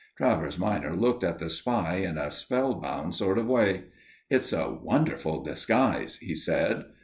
Travers minor looked at the spy in a spellbound sort of way. "It's a wonderful disguise," he said.